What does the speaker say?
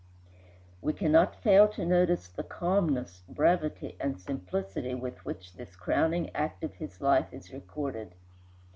We cannot fail to notice the calmness, brevity, and simplicity with which this crowning act of his life is recorded.